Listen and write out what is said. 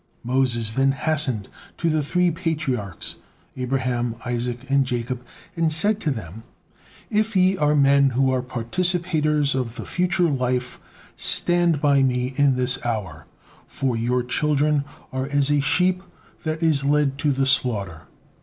Moses then hastened to the three Patriarchs, Abraham, Isaac, and Jacob, and said to them: "If ye are men who are participators of the future life, stand by me in this hour, for your children are as a sheep that is led to the slaughter."